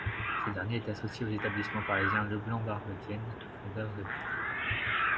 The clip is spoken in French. Ce dernier était associé aux établissements parisiens Leblanc-Barbedienne, fondeur réputé.